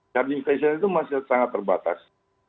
charging fashion itu masih sangat terbatas